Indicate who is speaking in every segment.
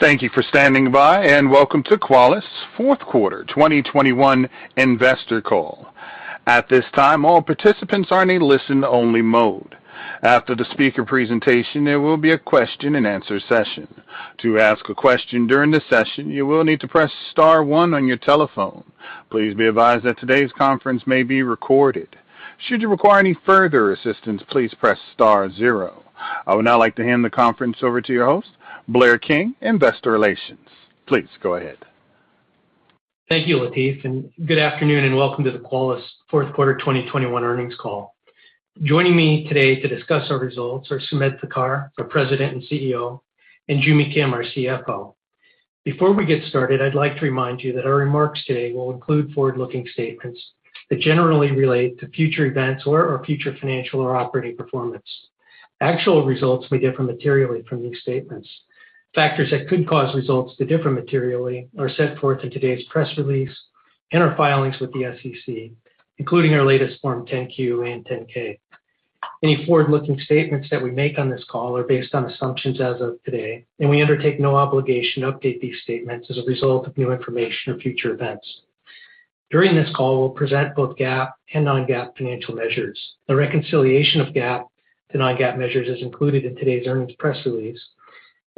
Speaker 1: Thank you for standing by, and welcome to Qualys' fourth quarter 2021 investor call. At this time, all participants are in a listen-only mode. After the speaker presentation, there will be a question and answer session. To ask a question during the session, you will need to press star one on your telephone. Please be advised that today's conference may be recorded. Should you require any further assistance, please press star zero. I would now like to hand the conference over to your host, Blair King, Investor Relations. Please go ahead.
Speaker 2: Thank you, Latifa, and good afternoon and welcome to the Qualys fourth quarter 2021 earnings call. Joining me today to discuss our results are Sumedh Thakar, our President and CEO, and Joo Mi Kim, our CFO. Before we get started, I'd like to remind you that our remarks today will include forward-looking statements that generally relate to future events or future financial or operating performance. Actual results may differ materially from these statements. Factors that could cause results to differ materially are set forth in today's press release and our filings with the SEC, including our latest form 10-Q and 10-K. Any forward-looking statements that we make on this call are based on assumptions as of today, and we undertake no obligation to update these statements as a result of new information or future events. During this call, we'll present both GAAP and non-GAAP financial measures. The reconciliation of GAAP to non-GAAP measures is included in today's earnings press release.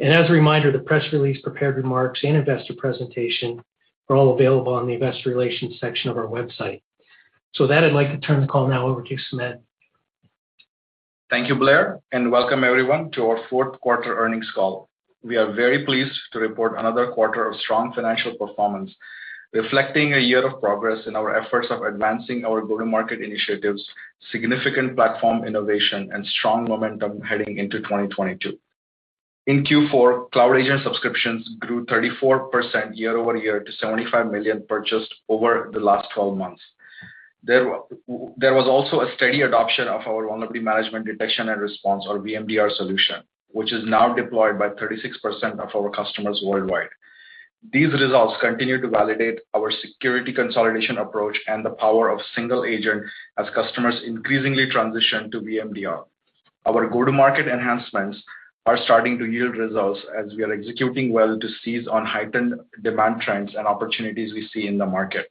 Speaker 2: As a reminder, the press release prepared remarks and investor presentation are all available on the investor relations section of our website. With that, I'd like to turn the call now over to Sumedh.
Speaker 3: Thank you, Blair, and welcome everyone to our fourth quarter earnings call. We are very pleased to report another quarter of strong financial performance, reflecting a year of progress in our efforts of advancing our go-to-market initiatives, significant platform innovation, and strong momentum heading into 2022. In Q4, cloud agent subscriptions grew 34% year over year to 75 million purchased over the last twelve months. There was also a steady adoption of our Vulnerability Management Detection and Response, or VMDR solution, which is now deployed by 36% of our customers worldwide. These results continue to validate our security consolidation approach and the power of single agent as customers increasingly transition to VMDR. Our go-to-market enhancements are starting to yield results as we are executing well to seize on heightened demand trends and opportunities we see in the market.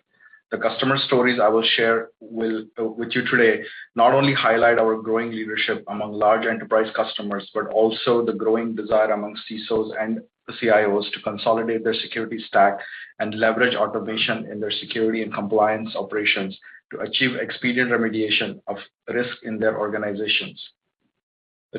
Speaker 3: The customer stories I will share with you today not only highlight our growing leadership among large enterprise customers, but also the growing desire among CISOs and CIOs to consolidate their security stack and leverage automation in their security and compliance operations to achieve expedient remediation of risk in their organizations.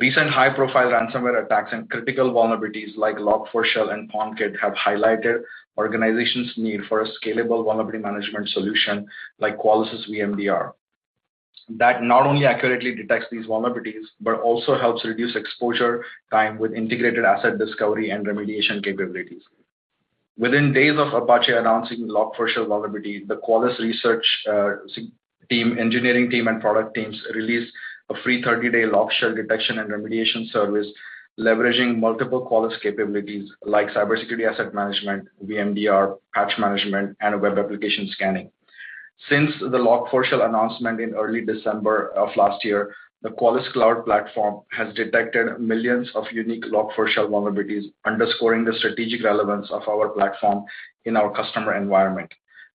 Speaker 3: Recent high-profile ransomware attacks and critical vulnerabilities like Log4Shell and PwnKit have highlighted organizations' need for a scalable vulnerability management solution like Qualys' VMDR. That not only accurately detects these vulnerabilities, but also helps reduce exposure time with integrated asset discovery and remediation capabilities. Within days of Apache announcing Log4Shell vulnerability, the Qualys research team, engineering team, and product teams released a free 30-day Log4Shell detection and remediation service leveraging multiple Qualys capabilities like CyberSecurity Asset Management, VMDR, Patch Management, and Web Application Scanning. Since the Log4Shell announcement in early December of last year, the Qualys Cloud Platform has detected millions of unique Log4Shell vulnerabilities, underscoring the strategic relevance of our platform in our customer environment.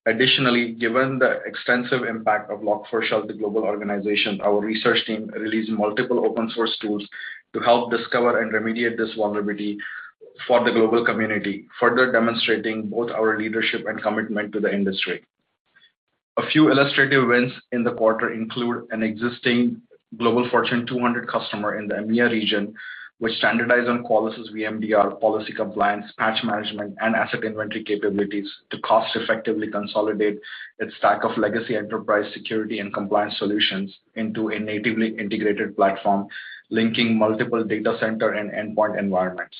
Speaker 3: Additionally, given the extensive impact of Log4Shell to global organizations, our research team released multiple open source tools to help discover and remediate this vulnerability for the global community, further demonstrating both our leadership and commitment to the industry. A few illustrative wins in the quarter include an existing global Fortune 200 customer in the EMEA region, which standardized on Qualys' VMDR policy compliance, Patch Management, and asset inventory capabilities to cost-effectively consolidate its stack of legacy enterprise security and compliance solutions into a natively integrated platform, linking multiple data center and endpoint environments.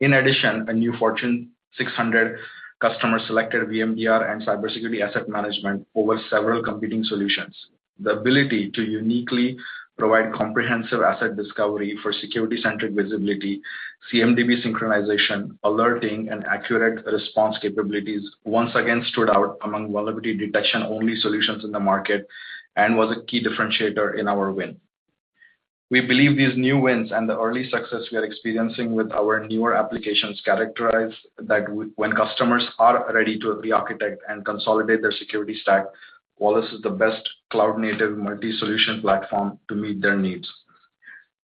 Speaker 3: In addition, a new Fortune 600 customer selected VMDR and CyberSecurity Asset Management over several competing solutions. The ability to uniquely provide comprehensive asset discovery for security-centric visibility, CMDB synchronization, alerting, and accurate response capabilities once again stood out among vulnerability detection-only solutions in the market and was a key differentiator in our win. We believe these new wins and the early success we are experiencing with our newer applications characterize that when customers are ready to re-architect and consolidate their security stack, Qualys is the best cloud-native multi-solution platform to meet their needs.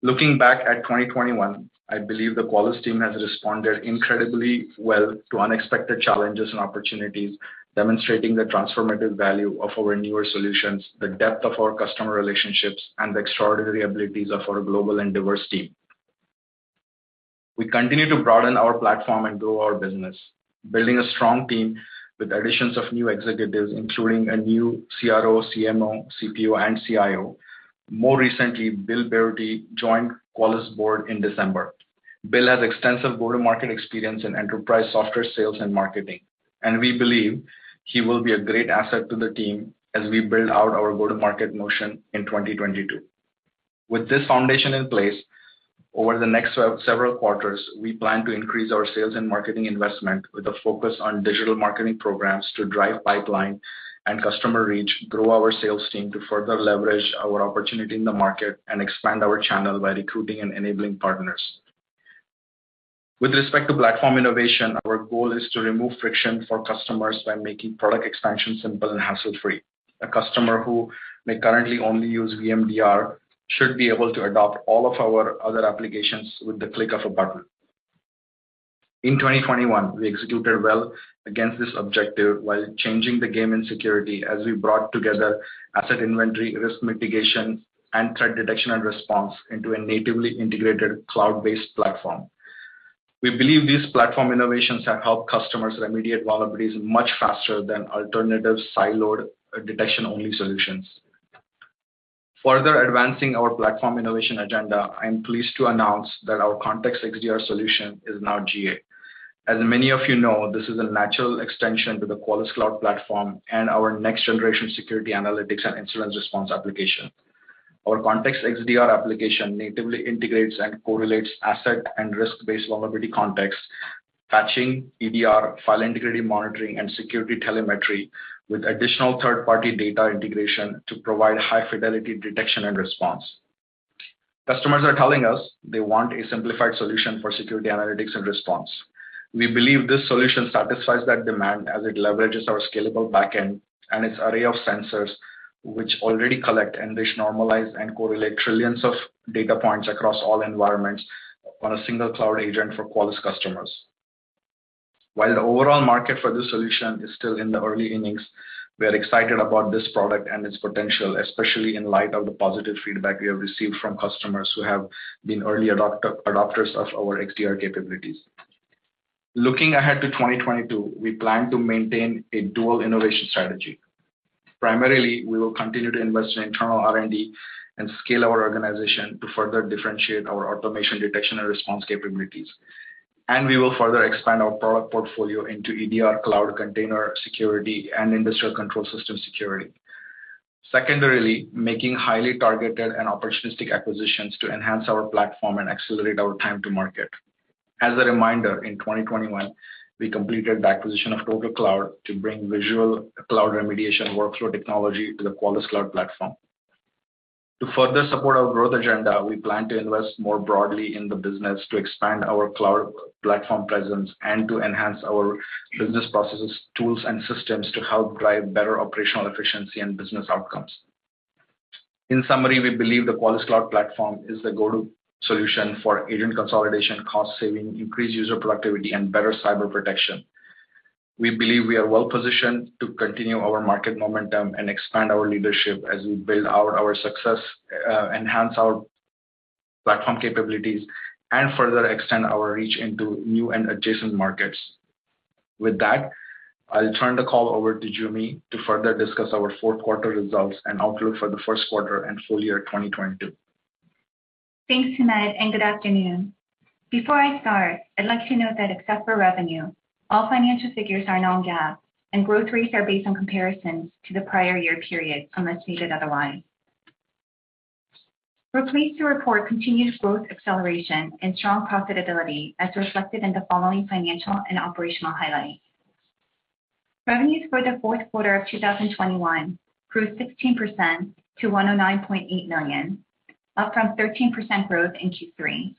Speaker 3: Looking back at 2021, I believe the Qualys team has responded incredibly well to unexpected challenges and opportunities, demonstrating the transformative value of our newer solutions, the depth of our customer relationships, and the extraordinary abilities of our global and diverse team. We continue to broaden our platform and grow our business, building a strong team with additions of new executives, including a new CRO, CMO, CPO, and CIO. More recently, Bill Berry joined Qualys board in December. Bill has extensive go-to-market experience in enterprise software sales and marketing, and we believe he will be a great asset to the team as we build out our go-to-market motion in 2022. With this foundation in place, over the next several quarters, we plan to increase our sales and marketing investment with a focus on digital marketing programs to drive pipeline and customer reach, grow our sales team to further leverage our opportunity in the market and expand our channel by recruiting and enabling partners. With respect to platform innovation, our goal is to remove friction for customers by making product expansion simple and hassle-free. A customer who may currently only use VMDR should be able to adopt all of our other applications with the click of a button. In 2021, we executed well against this objective while changing the game in security as we brought together asset inventory, risk mitigation, and threat detection and response into a natively integrated cloud-based platform. We believe these platform innovations have helped customers remediate vulnerabilities much faster than alternative siloed detection-only solutions. Further advancing our platform innovation agenda, I am pleased to announce that our Context XDR solution is now GA. As many of you know, this is a natural extension to the Qualys Cloud Platform and our next-generation security analytics and incident response application. Our Context XDR application natively integrates and correlates asset and risk-based vulnerability context, patching EDR, File Integrity Monitoring, and security telemetry with additional third-party data integration to provide high-fidelity detection and response. Customers are telling us they want a simplified solution for security analytics and response. We believe this solution satisfies that demand as it leverages our scalable backend and its array of sensors, which already collect, enrich, normalize, and correlate trillions of data points across all environments on a single cloud agent for Qualys customers. While the overall market for this solution is still in the early innings, we are excited about this product and its potential, especially in light of the positive feedback we have received from customers who have been early adopters of our XDR capabilities. Looking ahead to 2022, we plan to maintain a dual innovation strategy. Primarily, we will continue to invest in internal R&D and scale our organization to further differentiate our automated detection and response capabilities. We will further expand our product portfolio into EDR cloud container security and industrial control system security. Secondarily, making highly targeted and opportunistic acquisitions to enhance our platform and accelerate our time to market. As a reminder, in 2021, we completed the acquisition of TotalCloud to bring visual cloud remediation workflow technology to the Qualys Cloud Platform. To further support our growth agenda, we plan to invest more broadly in the business to expand our cloud platform presence and to enhance our business processes, tools, and systems to help drive better operational efficiency and business outcomes. In summary, we believe the Qualys Cloud Platform is the go-to solution for agent consolidation, cost-saving, increased user productivity, and better cyber protection. We believe we are well-positioned to continue our market momentum and expand our leadership as we build out our success, enhance our platform capabilities, and further extend our reach into new and adjacent markets. With that, I'll turn the call over to Joo Mi Kim to further discuss our Q4 results and outlook for the Q1 and full year 2022.
Speaker 4: Thanks, Sumedh, and good afternoon. Before I start, I'd like to note that except for revenue, all financial figures are non-GAAP and growth rates are based on comparisons to the prior year period, unless stated otherwise. We're pleased to report continued growth acceleration and strong profitability as reflected in the following financial and operational highlights. Revenues for the fourth quarter of 2021 grew 16% to $109.8 million, up from 13% growth in Q3.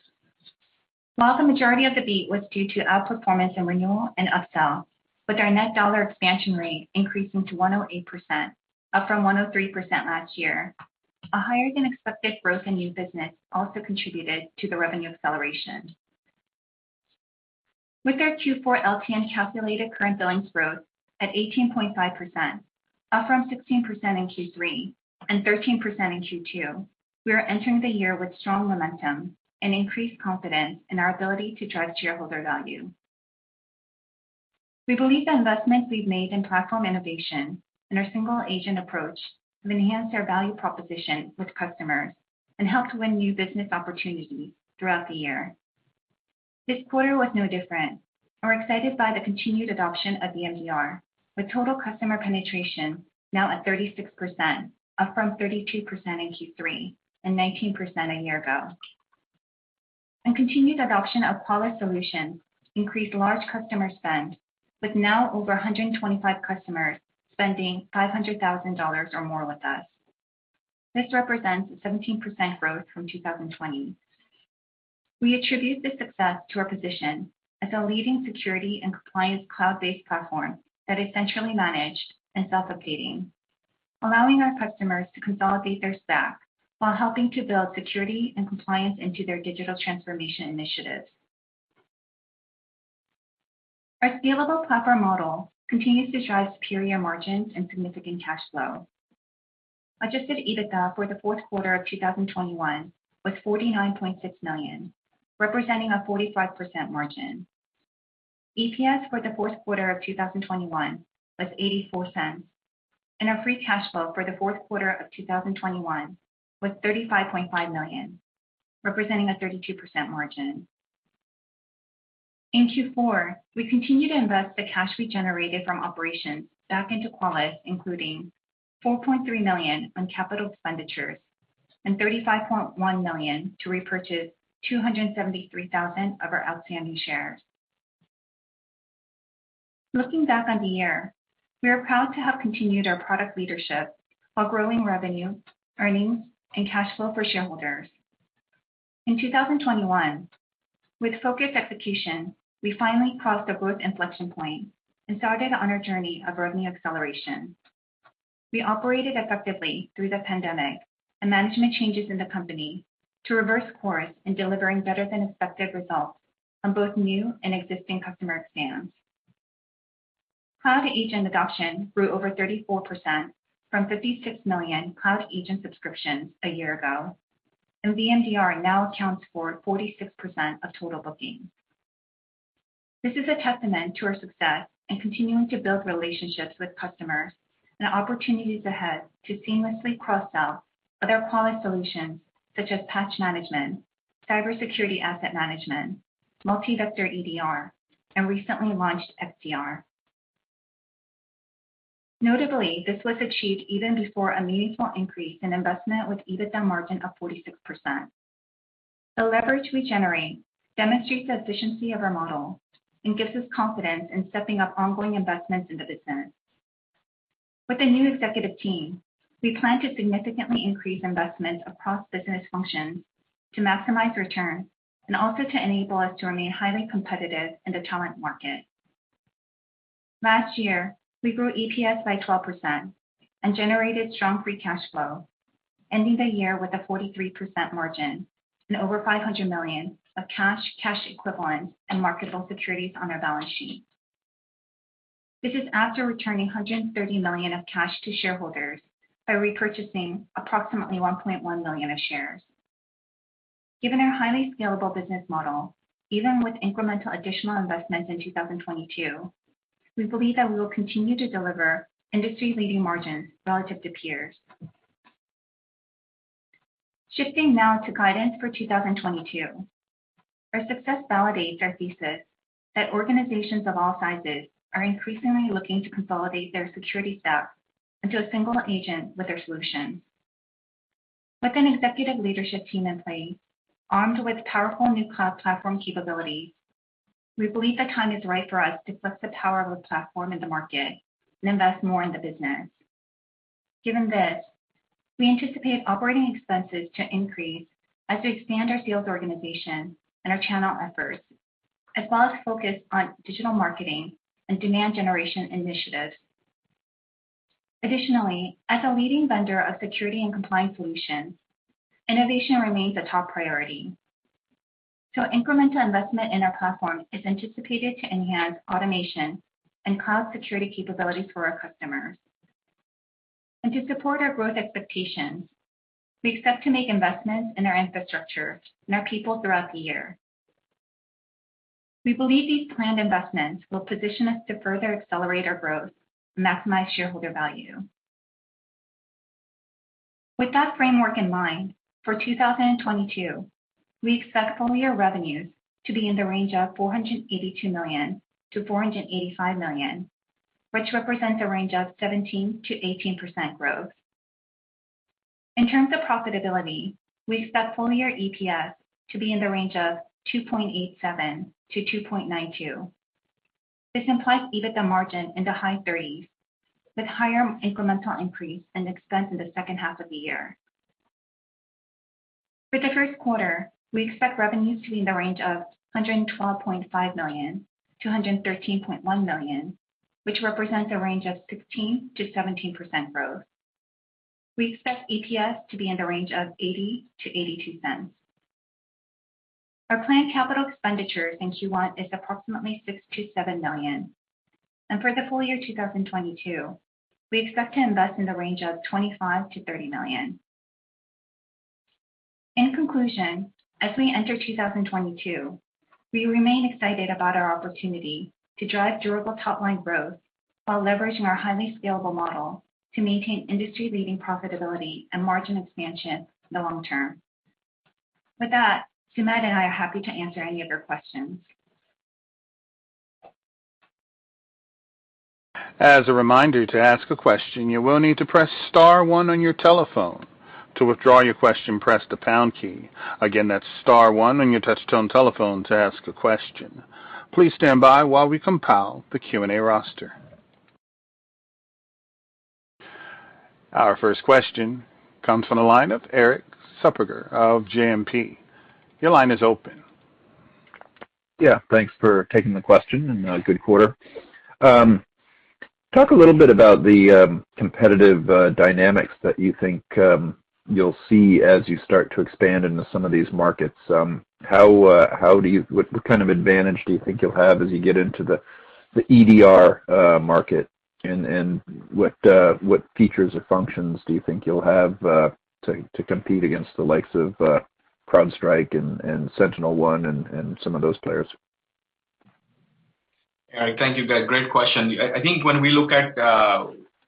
Speaker 4: While the majority of the beat was due to outperformance in renewal and upsell, with our net dollar expansion rate increasing to 108%, up from 103% last year. A higher-than-expected growth in new business also contributed to the revenue acceleration. With our Q4 LTM calculated current billings growth at 18.5%, up from 16% in Q3 and 13% in Q2, we are entering the year with strong momentum and increased confidence in our ability to drive shareholder value. We believe the investments we've made in platform innovation and our single-agent approach have enhanced our value proposition with customers and helped win new business opportunities throughout the year. This quarter was no different, and we're excited by the continued adoption of VMDR, with total customer penetration now at 36%, up from 32% in Q3 and 19% a year ago. Continued adoption of Qualys solutions increased large customer spend, with now over 125 customers spending $500,000 or more with us. This represents a 17% growth from 2020. We attribute this success to our position as a leading security and compliance cloud-based platform that is centrally managed and self-upgrading, allowing our customers to consolidate their stack while helping to build security and compliance into their digital transformation initiatives. Our scalable platform model continues to drive superior margins and significant cash flow. Adjusted EBITDA for the fourth quarter of 2021 was $49.6 million, representing a 45% margin. EPS for the fourth quarter of 2021 was $0.84, and our free cash flow for the fourth quarter of 2021 was $35.5 million, representing a 32% margin. In Q4, we continued to invest the cash we generated from operations back into Qualys, including $4.3 million on capital expenditures and $35.1 million to repurchase 273,000 of our outstanding shares. Looking back on the year, we are proud to have continued our product leadership while growing revenue, earnings, and cash flow for shareholders. In 2021, with focused execution, we finally crossed the growth inflection point and started on our journey of revenue acceleration. We operated effectively through the pandemic and management changes in the company to reverse course in delivering better than expected results on both new and existing customer expands. Cloud Agent adoption grew over 34% from 56 million Cloud Agent subscriptions a year ago, and VMDR now accounts for 46% of total bookings. This is a testament to our success in continuing to build relationships with customers and the opportunities ahead to seamlessly cross-sell other Qualys solutions such as Patch Management, CyberSecurity Asset Management, multi-vector EDR, and recently launched XDR. Notably, this was achieved even before a meaningful increase in investment, with EBITDA margin of 46%. The leverage we generate demonstrates the efficiency of our model and gives us confidence in stepping up ongoing investments in the business. With the new executive team, we plan to significantly increase investments across business functions to maximize return and also to enable us to remain highly competitive in the talent market. Last year, we grew EPS by 12% and generated strong free cash flow, ending the year with a 43% margin and over $500 million of cash equivalents, and marketable securities on our balance sheet. This is after returning $130 million of cash to shareholders by repurchasing approximately 1.1 million of shares. Given our highly scalable business model, even with incremental additional investments in 2022, we believe that we will continue to deliver industry-leading margins relative to peers. Shifting now to guidance for 2022. Our success validates our thesis that organizations of all sizes are increasingly looking to consolidate their security stack into a single agent with their solution. With an executive leadership team in place armed with powerful new cloud platform capabilities, we believe the time is right for us to flex the power of the platform in the market and invest more in the business. Given this, we anticipate operating expenses to increase as we expand our sales organization and our channel efforts, as well as focus on digital marketing and demand generation initiatives. Additionally, as a leading vendor of security and compliance solutions, innovation remains a top priority. Incremental investment in our platform is anticipated to enhance automation and cloud security capabilities for our customers. To support our growth expectations, we expect to make investments in our infrastructure and our people throughout the year. We believe these planned investments will position us to further accelerate our growth and maximize shareholder value. With that framework in mind, for 2022, we expect full-year revenues to be in the range of $482 million-$485 million, which represents a range of 17%-18% growth. In terms of profitability, we expect full-year EPS to be in the range of $2.87-$2.92. This implies EBITDA margin in the high 30s%, with higher incremental increase in expense in the second half of the year. For the first quarter, we expect revenues to be in the range of $112.5 million-$113.1 million, which represents a range of 16%-17% growth. We expect EPS to be in the range of $0.80-$0.82. Our planned capital expenditures in Q1 is approximately $6 million-$7 million. For the full year 2022, we expect to invest in the range of $25 million-$30 million. In conclusion, as we enter 2022, we remain excited about our opportunity to drive durable top-line growth while leveraging our highly scalable model to maintain industry-leading profitability and margin expansion in the long term. With that, Sumedh and I are happy to answer any of your questions.
Speaker 1: As a reminder, to ask a question, you will need to press star one on your telephone. To withdraw your question, press the pound key. Again, that's star one on your touch-tone telephone to ask a question. Please stand by while we compile the Q&A roster. Our first question comes from the line of Erik Suppiger of JMP. Your line is open.
Speaker 5: Yeah. Thanks for taking the question, and good quarter. Talk a little bit about the competitive dynamics that you think you'll see as you start to expand into some of these markets. What kind of advantage do you think you'll have as you get into the EDR market? What features or functions do you think you'll have to compete against the likes of CrowdStrike and SentinelOne and some of those players?
Speaker 3: Erik, thank you. Yeah, great question. I think when we look at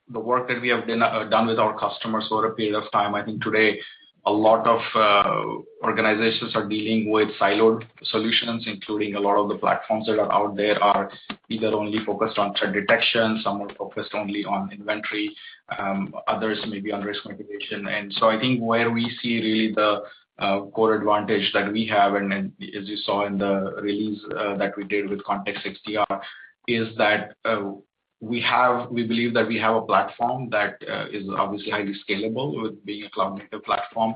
Speaker 3: the work that we have done with our customers over a period of time, I think today a lot of organizations are dealing with siloed solutions, including a lot of the platforms that are out there are either only focused on threat detection, some are focused only on inventory, others may be on risk mitigation. I think where we see really the core advantage that we have, and as you saw in the release that we did with Context XDR, is that we believe that we have a platform that is obviously highly scalable with being a cloud-native platform.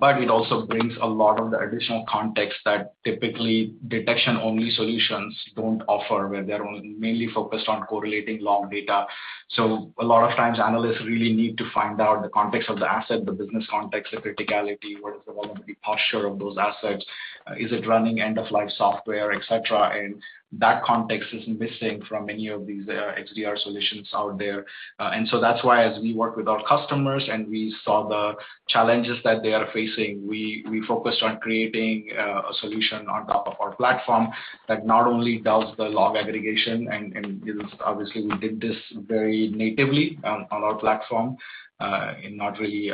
Speaker 3: But it also brings a lot of the additional context that typically detection-only solutions don't offer, where they're only mainly focused on correlating log data. A lot of times, analysts really need to find out the context of the asset, the business context, the criticality, what is the vulnerability posture of those assets, is it running end-of-life software, et cetera. That context is missing from many of these XDR solutions out there. That's why as we work with our customers and we saw the challenges that they are facing, we focused on creating a solution on top of our platform that not only does the log aggregation. Obviously, we did this very natively on our platform, and not really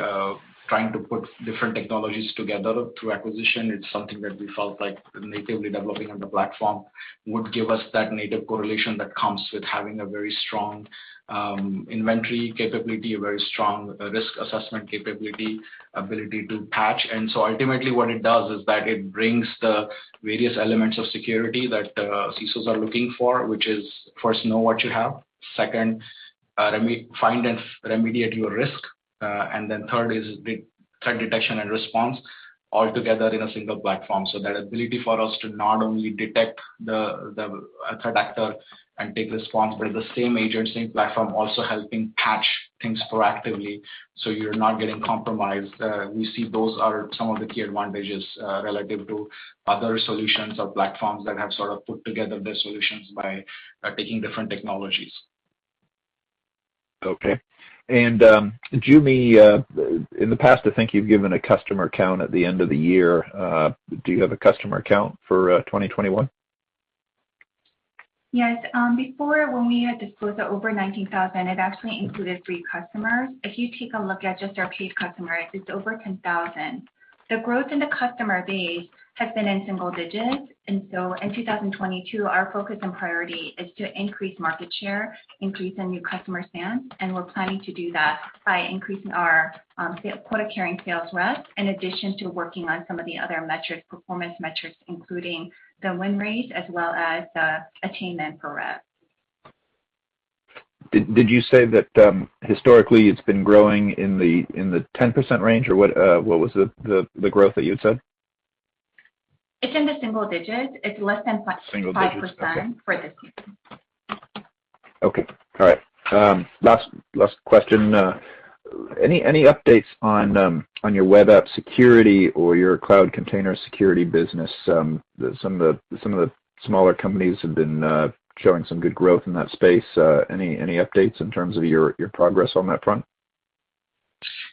Speaker 3: trying to put different technologies together through acquisition. It's something that we felt like natively developing on the platform would give us that native correlation that comes with having a very strong inventory capability, a very strong risk assessment capability, ability to patch. Ultimately what it does is that it brings the various elements of security that CISOs are looking for, which is, first, know what you have. Second, find and remediate your risk. And then third is the threat detection and response all together in a single platform. That ability for us to not only detect the threat actor and take response, but the same agent, same platform also helping catch things proactively so you're not getting compromised. We see those are some of the key advantages relative to other solutions or platforms that have sort of put together their solutions by taking different technologies.
Speaker 5: Okay. In the past, I think you've given a customer count at the end of the year. Do you have a customer count for 2021?
Speaker 4: Yes. Before, when we had disclosed over 19,000, it actually included free customers. If you take a look at just our paid customers, it's over 10,000. The growth in the customer base has been in single digits. In 2022, our focus and priority is to increase market share, increase the new customer wins, and we're planning to do that by increasing our quota-carrying sales rep, in addition to working on some of the other metrics, performance metrics, including the win rates as well as attainment per rep.
Speaker 5: Did you say that historically it's been growing in the 10% range, or what was the growth that you had said?
Speaker 4: It's in the single digits. It's less than 0.5%.
Speaker 5: Single digits. Okay.
Speaker 4: for this year.
Speaker 5: Okay. All right. Last question. Any updates on your web app security or your cloud container security business? Some of the smaller companies have been showing some good growth in that space. Any updates in terms of your progress on that front?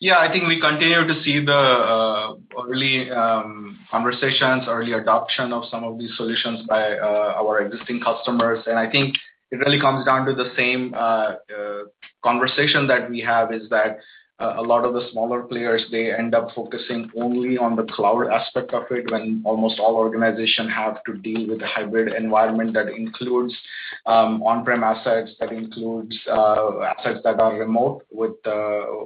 Speaker 3: Yeah. I think we continue to see the early conversations, early adoption of some of these solutions by our existing customers. I think it really comes down to the same conversation that we have, is that a lot of the smaller players, they end up focusing only on the cloud aspect of it, when almost all organization have to deal with a hybrid environment that includes on-prem assets, that includes assets that are remote with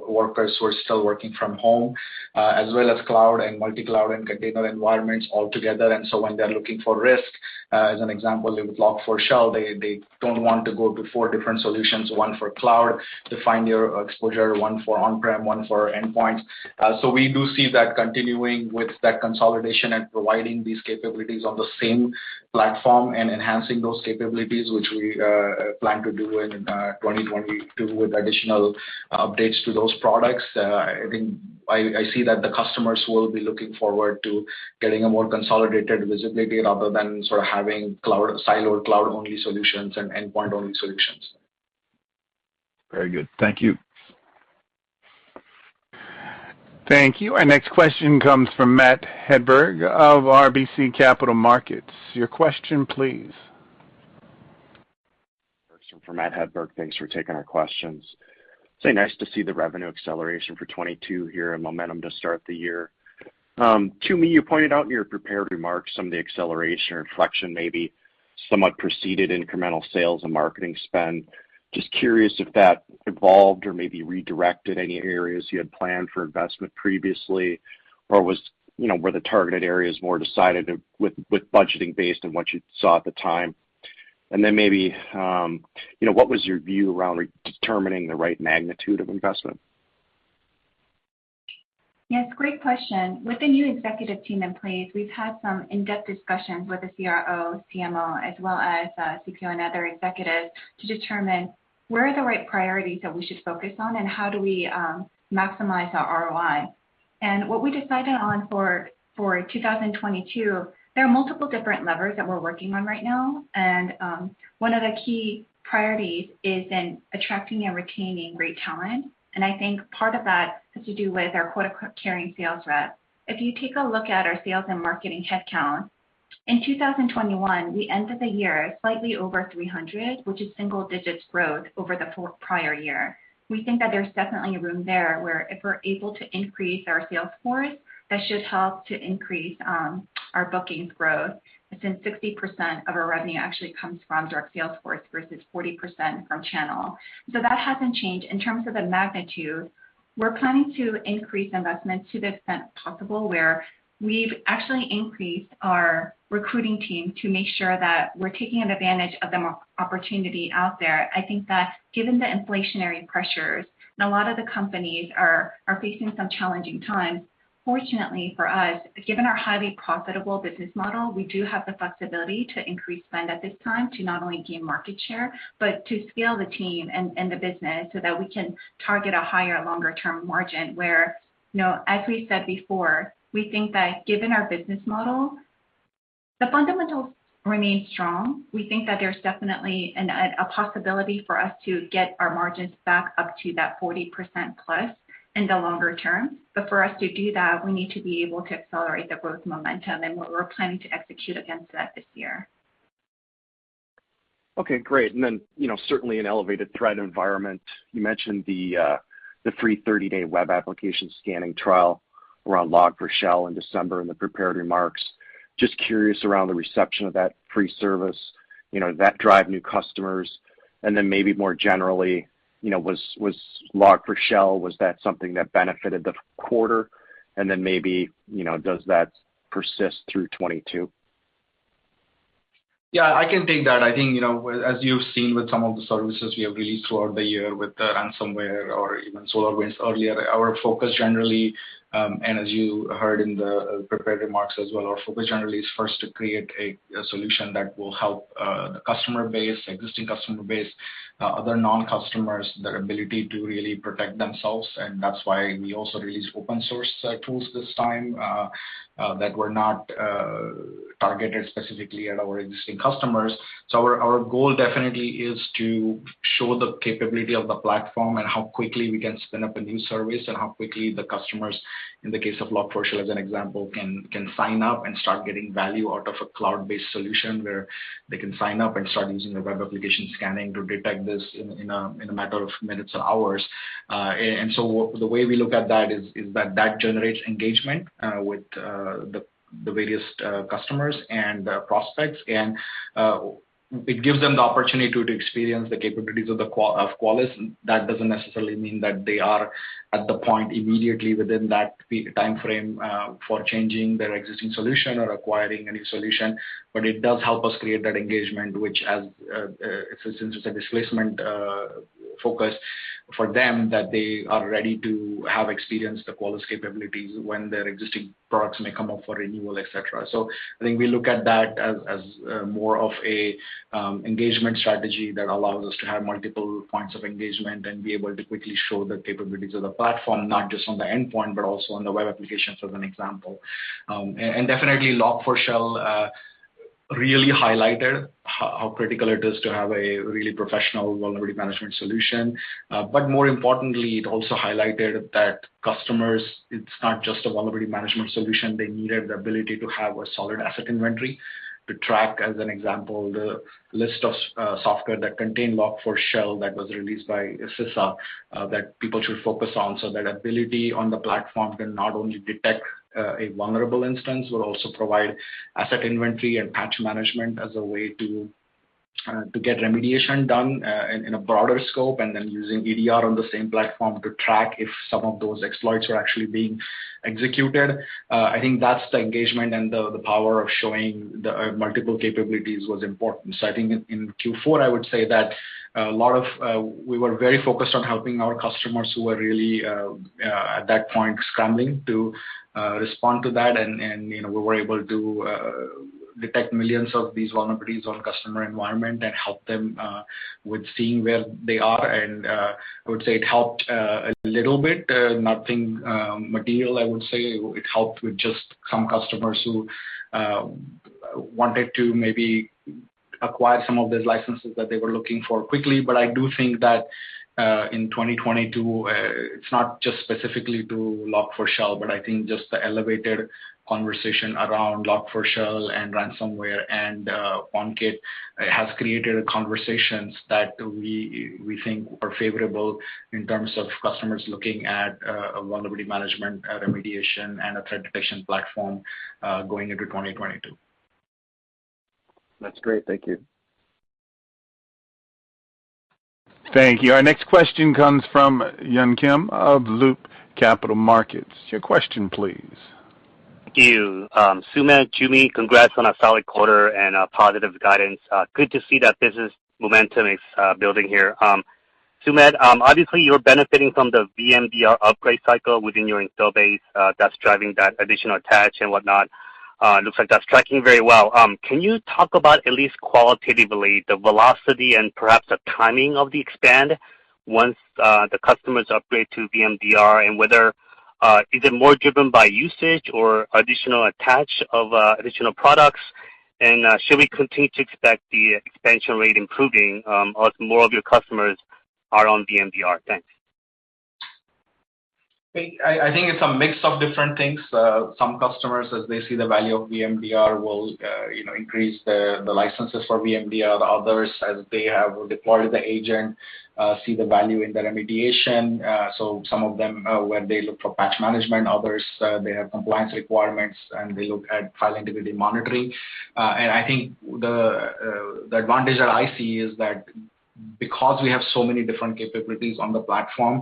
Speaker 3: workers who are still working from home, as well as cloud and multi-cloud and container environments all together. When they're looking for risk, as an example, with Log4Shell, they don't want to go to four different solutions, one for cloud to find your exposure, one for on-prem, one for endpoint. We do see that continuing with that consolidation and providing these capabilities on the same platform and enhancing those capabilities, which we plan to do in 2022 with additional updates to those products. I see that the customers will be looking forward to getting a more consolidated visibility rather than sort of having siloed cloud-only solutions and endpoint-only solutions.
Speaker 5: Very good. Thank you.
Speaker 1: Thank you. Our next question comes from Matt Hedberg of RBC Capital Markets. Your question, please.
Speaker 6: From Matt Hedberg. Thanks for taking our questions. It's nice to see the revenue acceleration for 2022 here and momentum to start the year. Joo Mi, you pointed out in your prepared remarks some of the acceleration or inflection maybe somewhat preceded incremental sales and marketing spend. Just curious if that evolved or maybe redirected any areas you had planned for investment previously, or was, you know, were the targeted areas more decided with budgeting based on what you saw at the time? Maybe, you know, what was your view around determining the right magnitude of investment?
Speaker 4: Yes, great question. With the new executive team in place, we've had some in-depth discussions with the CRO, CMO, as well as CPO and other executives to determine where are the right priorities that we should focus on, and how do we maximize our ROI. What we decided on for 2022, there are multiple different levers that we're working on right now. One of the key priorities is in attracting and retaining great talent. I think part of that has to do with our quota-carrying sales reps. If you take a look at our sales and marketing headcount, in 2021, we ended the year slightly over 300, which is single digits growth over the four prior years. We think that there's definitely room there where if we're able to increase our sales force, that should help to increase our bookings growth since 60% of our revenue actually comes from direct sales force versus 40% from channel. That hasn't changed. In terms of the magnitude, we're planning to increase investment to the extent possible, where we've actually increased our recruiting team to make sure that we're taking advantage of the opportunity out there. I think that given the inflationary pressures, and a lot of the companies are facing some challenging times. Fortunately for us, given our highly profitable business model, we do have the flexibility to increase spend at this time to not only gain market share, but to scale the team and the business so that we can target a higher longer-term margin where, you know, as we said before, we think that given our business model, the fundamentals remain strong. We think that there's definitely a possibility for us to get our margins back up to that 40%+ in the longer term. For us to do that, we need to be able to accelerate the growth momentum, and we're planning to execute against that this year.
Speaker 6: Okay, great. You know, certainly an elevated threat environment. You mentioned the free 30-day Web Application Scanning trial around Log4Shell in December in the prepared remarks. Just curious around the reception of that free service, you know, that drive new customers. Maybe more generally, you know, was Log4Shell, was that something that benefited the Q4? Maybe, you know, does that persist through 2022?
Speaker 3: Yeah, I can take that. I think, you know, as you've seen with some of the services we have released throughout the year with the ransomware or even SolarWinds earlier, our focus generally, and as you heard in the prepared remarks as well, our focus generally is first to create a solution that will help the customer base, existing customer base, other non-customers, their ability to really protect themselves. That's why we also released open source tools this time that were not targeted specifically at our existing customers. Our goal definitely is to show the capability of the platform and how quickly we can spin up a new service and how quickly the customers, in the case of Log4Shell as an example, can sign up and start getting value out of a cloud-based solution where they can sign up and start using the web application scanning to detect this in a matter of minutes or hours. The way we look at that is that that generates engagement with the various customers and prospects. It gives them the opportunity to experience the capabilities of Qualys. That doesn't necessarily mean that they are at the point immediately within that time frame for changing their existing solution or acquiring a new solution. It does help us create that engagement, which since it's a displacement focus for them that they are ready to have experienced the Qualys capabilities when their existing products may come up for renewal, et cetera. I think we look at that as more of a engagement strategy that allows us to have multiple points of engagement and be able to quickly show the capabilities of the platform, not just on the endpoint, but also on the web applications, as an example. Definitely Log4Shell really highlighted how critical it is to have a really professional vulnerability management solution. More importantly, it also highlighted that customers, it's not just a vulnerability management solution. They needed the ability to have a solid asset inventory to track, as an example, the list of software that contained Log4Shell that was released by CISA, that people should focus on. That ability on the platform can not only detect a vulnerable instance, but also provide asset inventory and patch management as a way to get remediation done in a broader scope, and then using EDR on the same platform to track if some of those exploits were actually being executed. I think that's the engagement and the power of showing the multiple capabilities was important. I think in Q4, I would say that a lot of we were very focused on helping our customers who were really at that point scrambling to respond to that. You know, we were able to detect millions of these vulnerabilities on customer environment and help them with seeing where they are. I would say it helped a little bit, nothing material, I would say. It helped with just some customers who wanted to maybe acquire some of these licenses that they were looking for quickly. I do think that in 2022, it's not just specifically to Log4Shell, but I think just the elevated conversation around Log4Shell and ransomware and PwnKit has created conversations that we think are favorable in terms of customers looking at a vulnerability management remediation, and a threat detection platform going into 2022.
Speaker 6: That's great. Thank you.
Speaker 4: Thank you. Our next question comes from Yun Kim of Loop Capital Markets. Your question, please.
Speaker 7: Thank you. Sumedh, Joo Mi, congrats on a solid quarter and a positive guidance. Good to see that business momentum is building here. Sumedh, obviously, you're benefiting from the VMDR upgrade cycle within your installed base, that's driving that additional attach and whatnot. It looks like that's tracking very well. Can you talk about at least qualitatively the velocity and perhaps the timing of the expansion once the customers upgrade to VMDR and whether it is more driven by usage or additional attach of additional products? Should we continue to expect the expansion rate improving as more of your customers are on VMDR? Thanks.
Speaker 3: I think it's a mix of different things. Some customers, as they see the value of VMDR, will, you know, increase the licenses for VMDR. The others, as they have deployed the agent, see the value in the remediation. Some of them, when they look for Patch Management, others, they have compliance requirements, and they look at File Integrity Monitoring. I think the advantage that I see is because we have so many different capabilities on the platform,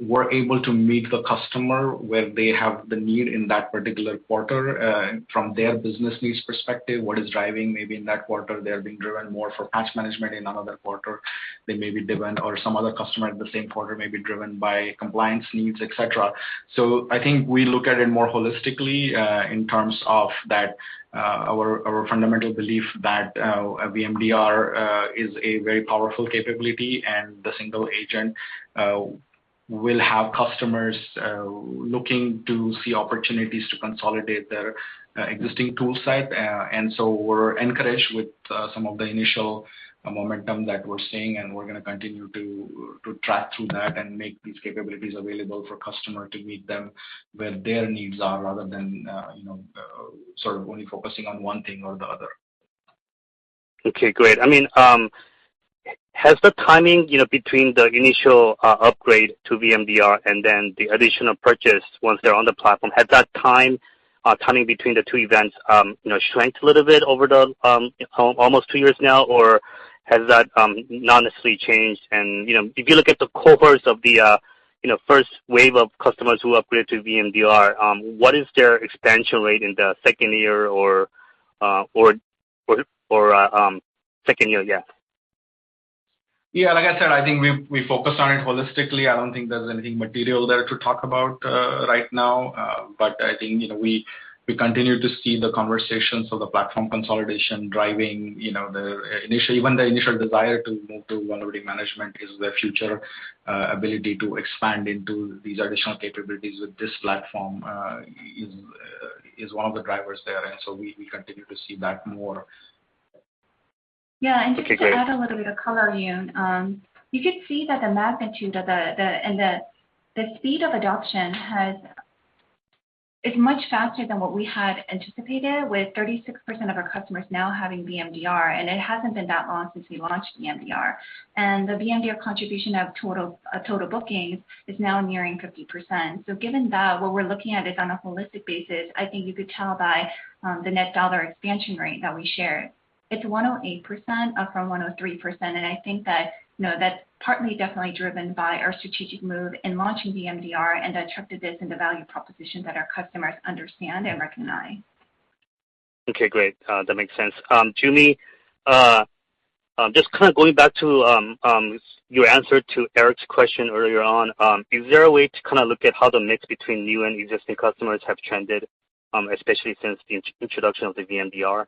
Speaker 3: we're able to meet the customer where they have the need in that particular quarter, from their business needs perspective, what is driving maybe in that quarter, they're being driven more for Patch Management. In another quarter, they may be driven or some other customer at the same quarter may be driven by compliance needs, et cetera. I think we look at it more holistically, in terms of that, our fundamental belief that, VMDR is a very powerful capability, and the single agent will have customers looking to see opportunities to consolidate their existing tool set. And so we're encouraged with some of the initial momentum that we're seeing, and we're gonna continue to track through that and make these capabilities available for customer to meet them where their needs are rather than, you know, sort of only focusing on one thing or the other.
Speaker 7: Okay, great. I mean, has the timing, you know, between the initial upgrade to VMDR and then the additional purchase once they're on the platform, has that timing between the two events, you know, shrank a little bit over the almost two years now, or has that not necessarily changed? You know, if you look at the cohorts of the first wave of customers who upgraded to VMDR, what is their expansion rate in the second year or second year? Yeah.
Speaker 3: Yeah, like I said, I think we focus on it holistically. I don't think there's anything material there to talk about right now. But I think, you know, we continue to see the conversations of the platform consolidation driving, you know, even the initial desire to move to vulnerability management is the future ability to expand into these additional capabilities with this platform is one of the drivers there. We continue to see that more.
Speaker 4: Yeah.
Speaker 7: Okay, great.
Speaker 4: Just to add a little bit of color, Yun. You could see that the magnitude and the speed of adoption is much faster than what we had anticipated, with 36% of our customers now having VMDR, and it hasn't been that long since we launched VMDR. The VMDR contribution of total bookings is now nearing 50%. Given that, what we're looking at is on a holistic basis, I think you could tell by the net dollar expansion rate that we shared. It's 108% up from 103%, and I think that, you know, that's partly definitely driven by our strategic move in launching VMDR and the attributes and the value proposition that our customers understand and recognize.
Speaker 7: Okay, great. That makes sense. Julie, just kind of going back to your answer to Eric's question earlier on, is there a way to kind of look at how the mix between new and existing customers have trended, especially since the introduction of the VMDR?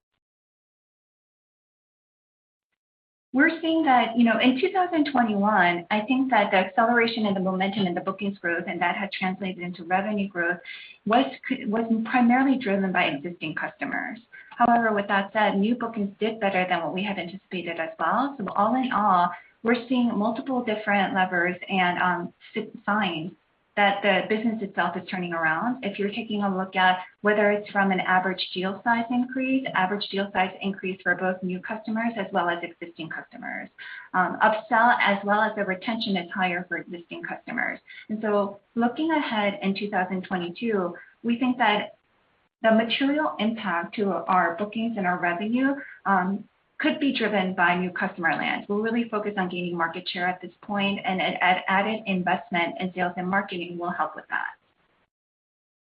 Speaker 4: We're seeing that, you know, in 2021, I think that the acceleration and the momentum in the bookings growth, and that had translated into revenue growth, was primarily driven by existing customers. However, with that said, new bookings did better than what we had anticipated as well. So all in all, we're seeing multiple different levers and signs that the business itself is turning around. If you're taking a look at whether it's from an average deal size increase for both new customers as well as existing customers. Upsell as well as the retention is higher for existing customers. Looking ahead in 2022, we think that the material impact to our bookings and our revenue could be driven by new customer land. We're really focused on gaining market share at this point, and added investment in sales and marketing will help with that.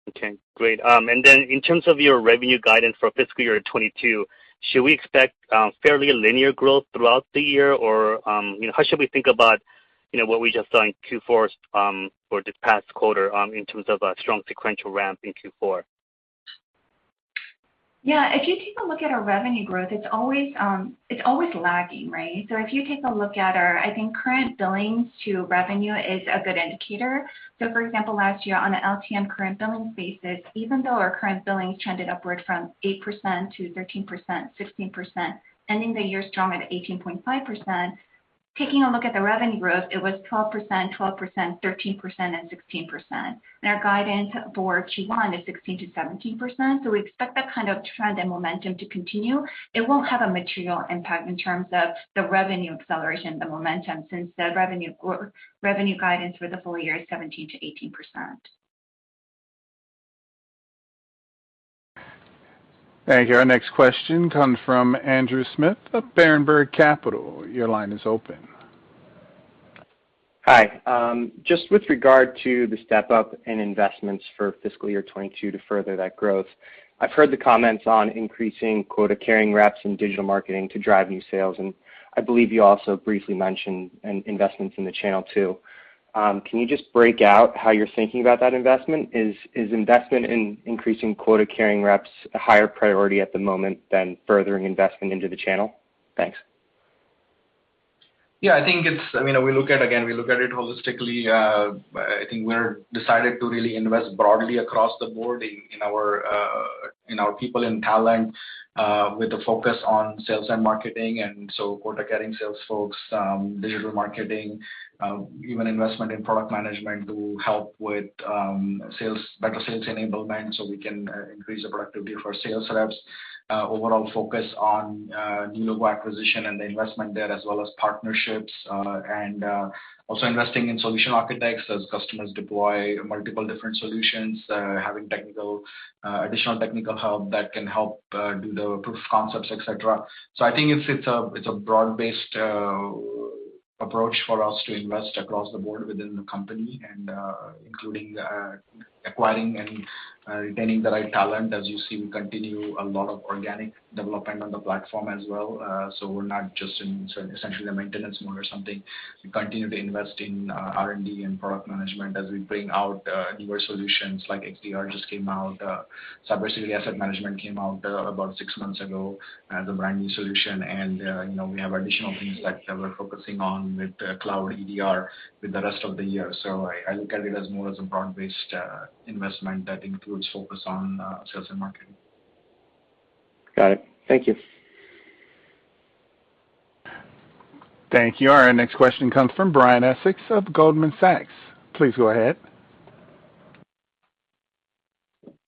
Speaker 7: Okay, great. Then in terms of your revenue guidance for fiscal year 2022, should we expect fairly linear growth throughout the year? Or, you know, how should we think about what we just saw in Q4, or this past quarter, in terms of a strong sequential ramp in Q4?
Speaker 4: Yeah. If you take a look at our revenue growth, it's always lagging, right? If you take a look at our, I think, current billings to revenue is a good indicator. For example, last year on an LTM current billing basis, even though our current billings trended upward from 8% to 13%, 16%, ending the year strong at 18.5%, taking a look at the revenue growth, it was 12%, 12%, 13%, and 16%. Our guidance for Q1 is 16%-17%. We expect that kind of trend and momentum to continue. It won't have a material impact in terms of the revenue acceleration, the momentum, since the revenue guidance for the full year is 17%-18%.
Speaker 1: Thank you. Our next question comes from Andrew Smith of Berenberg Capital. Your line is open.
Speaker 8: Hi. Just with regard to the step-up in investments for fiscal year 2022 to further that growth, I've heard the comments on increasing quota-carrying reps in digital marketing to drive new sales, and I believe you also briefly mentioned investments in the channel too. Can you just break out how you're thinking about that investment? Is investment in increasing quota-carrying reps a higher priority at the moment than furthering investment into the channel? Thanks. Yeah, I think it's. I mean, again, we look at it holistically.
Speaker 3: I think we're decided to really invest broadly across the board in our people and talent with a focus on sales and marketing and so quota-carrying sales folks, digital marketing, even investment in product management to help with sales better sales enablement so we can increase the productivity for our sales reps. Overall focus on new logo acquisition and the investment there, as well as partnerships and also investing in solution architects as customers deploy multiple different solutions, having additional technical help that can help do the proof of concepts, et cetera. I think it's a broad-based approach for us to invest across the board within the company and including acquiring and retaining the right talent. As you see, we continue a lot of organic development on the platform as well. We're not just in essentially a maintenance mode or something. We continue to invest in R&D and product management as we bring out newer solutions like XDR just came out. CyberSecurity Asset Management came out about six months ago as a brand-new solution. You know, we have additional things that we're focusing on with cloud EDR with the rest of the year. I look at it as more as a broad-based investment that includes focus on sales and marketing.
Speaker 8: Got it. Thank you.
Speaker 1: Thank you. Our next question comes from Brian Essex of Goldman Sachs. Please go ahead.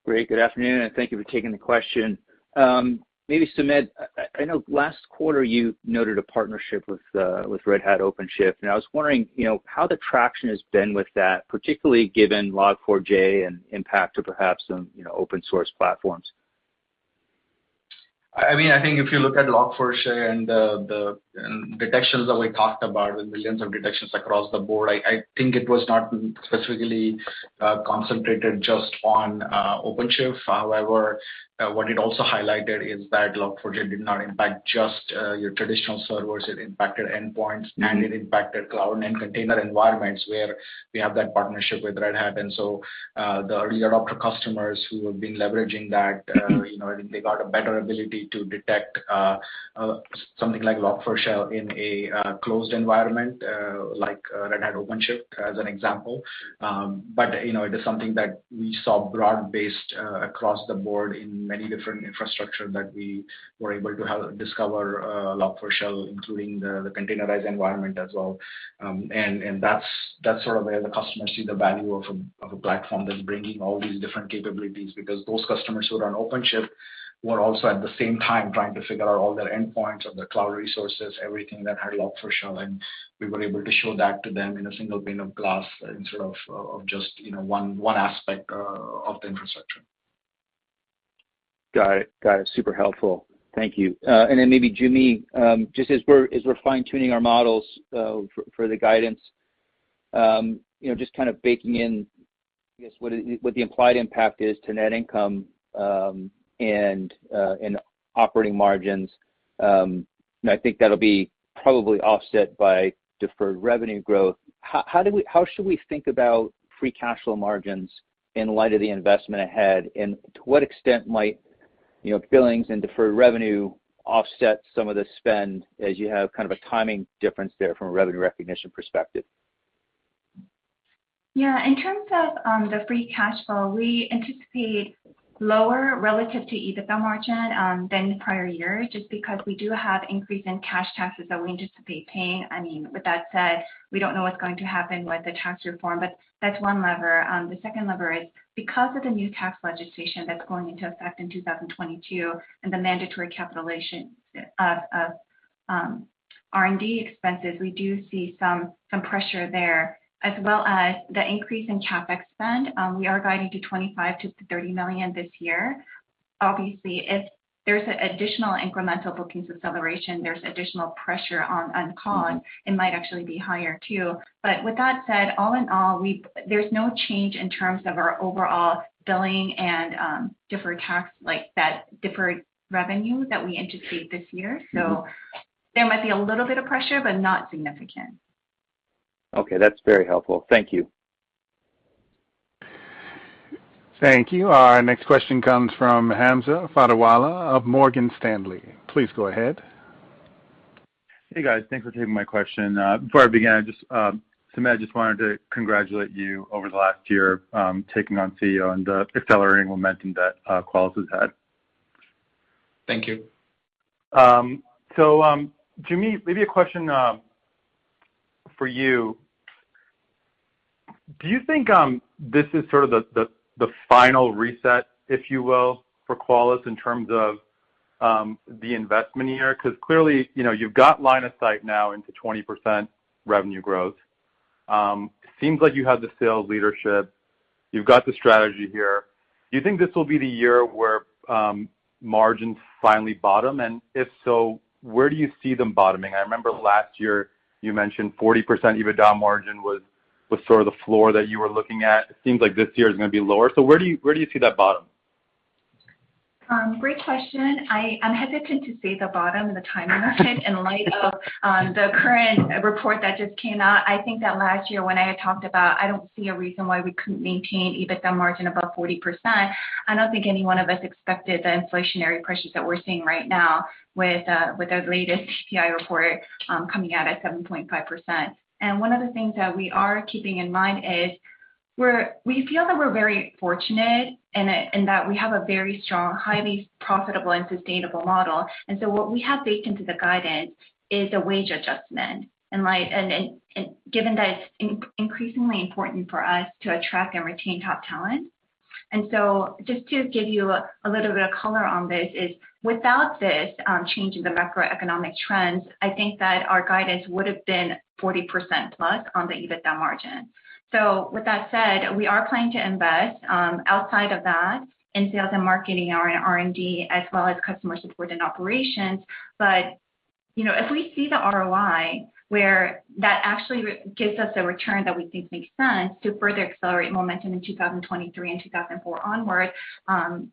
Speaker 9: Great. Good afternoon, and thank you for taking the question. Maybe Sumedh, I know last quarter you noted a partnership with Red Hat OpenShift, and I was wondering, you know, how the traction has been with that, particularly given Log4j and impact to perhaps some, you know, open source platforms.
Speaker 3: I mean, I think if you look at Log4j and the detections that we talked about with millions of detections across the board, I think it was not specifically concentrated just on OpenShift. However, what it also highlighted is that Log4j did not impact just your traditional servers. It impacted endpoints, and it impacted cloud and container environments where we have that partnership with Red Hat. The early adopter customers who have been leveraging that, you know, I think they got a better ability to detect something like Log4Shell in a closed environment, like Red Hat OpenShift as an example. You know, it is something that we saw broad-based across the board in many different infrastructure that we were able to discover Log4Shell, including the containerized environment as well. That's sort of where the customers see the value of a platform that's bringing all these different capabilities because those customers who are on OpenShift were also at the same time trying to figure out all their endpoints, all their cloud resources, everything that had Log4Shell. We were able to show that to them in a single pane of glass instead of just you know one aspect of the infrastructure.
Speaker 9: Got it. Super helpful. Thank you. Maybe, Jimmy, just as we're fine-tuning our models for the guidance, you know, just kind of baking in, I guess, what the implied impact is to net income and operating margins, and I think that'll be probably offset by deferred revenue growth. How should we think about free cash flow margins in light of the investment ahead? To what extent might, you know, billings and deferred revenue offset some of the spend as you have kind of a timing difference there from a revenue recognition perspective?
Speaker 4: Yeah. In terms of the free cash flow, we anticipate lower relative to EBITDA margin than the prior year just because we do have increase in cash taxes that we anticipate paying. I mean, with that said, we don't know what's going to happen with the tax reform, but that's one lever. The second lever is because of the new tax legislation that's going into effect in 2022 and the mandatory capitalization of R&D expenses, we do see some pressure there. As well as the increase in CapEx spend, we are guiding to $25 million-$30 million this year. Obviously, if there's additional incremental bookings acceleration, there's additional pressure on CFO. It might actually be higher too. With that said, all in all, there's no change in terms of our overall billing and deferred, like that deferred revenue that we anticipate this year. There might be a little bit of pressure, but not significant.
Speaker 9: Okay. That's very helpful. Thank you.
Speaker 1: Thank you. Our next question comes from Hamza Fodderwala of Morgan Stanley. Please go ahead.
Speaker 10: Hey, guys. Thanks for taking my question. Before I begin, I just, Sumedh, I just wanted to congratulate you over the last year, taking on CEO and the accelerating momentum that Qualys has had.
Speaker 3: Thank you.
Speaker 10: Jimmy, maybe a question for you. Do you think this is sort of the final reset, if you will, for Qualys in terms of the investment year? Because clearly, you know, you've got line of sight now into 20% revenue growth. Seems like you have the sales leadership. You've got the strategy here. Do you think this will be the year where margins finally bottom? And if so, where do you see them bottoming? I remember last year you mentioned 40% EBITDA margin was sort of the floor that you were looking at. It seems like this year is gonna be lower. Where do you see that bottom?
Speaker 4: Great question. I am hesitant to say the bottom and the timing of it in light of the current report that just came out. I think that last year when I had talked about I don't see a reason why we couldn't maintain EBITDA margin above 40%, I don't think any one of us expected the inflationary pressures that we're seeing right now with the latest CPI report coming out at 7.5%. One of the things that we are keeping in mind is we feel that we're very fortunate and that we have a very strong, highly profitable and sustainable model. What we have baked into the guidance is a wage adjustment in light and given that it's increasingly important for us to attract and retain top talent. Just to give you a little bit of color on this is without this change in the macroeconomic trends, I think that our guidance would have been 40%+ on the EBITDA margin. With that said, we are planning to invest outside of that in sales and marketing, R&D, as well as customer support and operations. You know, if we see the ROI where that actually gives us a return that we think makes sense to further accelerate momentum in 2023 and 2024 onward,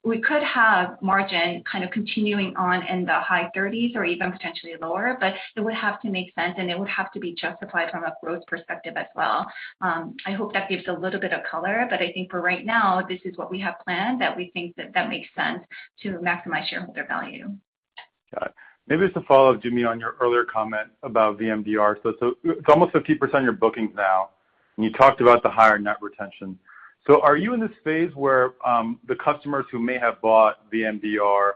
Speaker 4: we could have margin kind of continuing on in the high thirties or even potentially lower, but it would have to make sense and it would have to be justified from a growth perspective as well. I hope that gives a little bit of color, but I think for right now, this is what we have planned that we think that makes sense to maximize shareholder value.
Speaker 10: Got it. Maybe as a follow-up, Joo Mi, on your earlier comment about VMDR. It's almost 50% of your bookings now, and you talked about the higher net retention. Are you in this phase where the customers who may have bought VMDR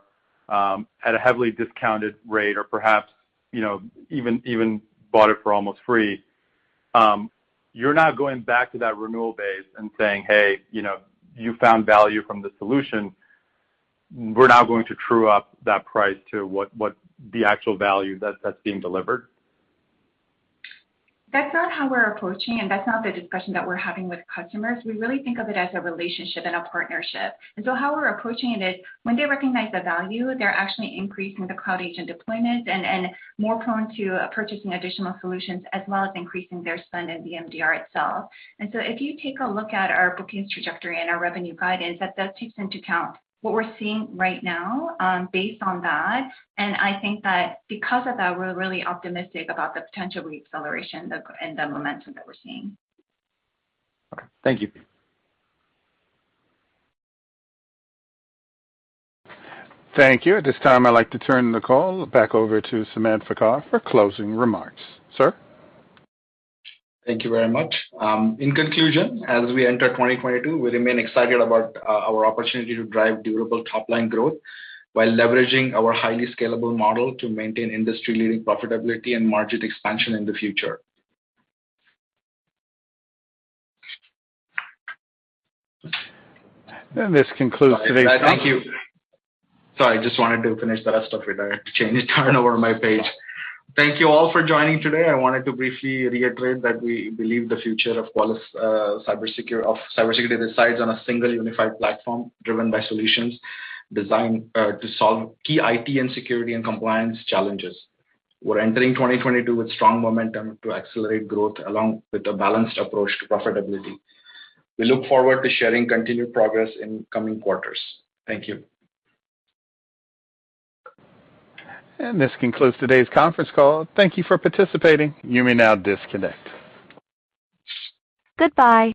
Speaker 10: at a heavily discounted rate or perhaps, you know, even bought it for almost free, you're now going back to that renewal base and saying, "Hey, you know, you found value from the solution. We're now going to true up that price to what the actual value that's being delivered?
Speaker 4: That's not how we're approaching it, and that's not the discussion that we're having with customers. We really think of it as a relationship and a partnership. How we're approaching it is when they recognize the value, they're actually increasing the Cloud Agent deployment and more prone to purchasing additional solutions as well as increasing their spend in VMDR itself. If you take a look at our bookings trajectory and our revenue guidance, that does take into account what we're seeing right now, based on that. I think that because of that, we're really optimistic about the potential re-acceleration and the momentum that we're seeing.
Speaker 10: Okay. Thank you.
Speaker 1: Thank you. At this time, I'd like to turn the call back over to Sumedh Thakar for closing remarks. Sir?
Speaker 3: Thank you very much. In conclusion, as we enter 2022, we remain excited about our opportunity to drive durable top-line growth while leveraging our highly scalable model to maintain industry-leading profitability and margin expansion in the future.
Speaker 1: This concludes today's conference-
Speaker 3: Thank you. Sorry, I just wanted to finish the rest of it. I had to change, turn over my page. Thank you all for joining today. I wanted to briefly reiterate that we believe the future of Qualys of cybersecurity depends on a single unified platform driven by solutions designed to solve key IT and security and compliance challenges. We're entering 2022 with strong momentum to accelerate growth along with a balanced approach to profitability. We look forward to sharing continued progress in coming quarters. Thank you.
Speaker 1: This concludes today's conference call. Thank you for participating. You may now disconnect. Goodbye.